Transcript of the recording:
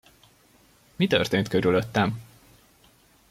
Mi történt körülöttem?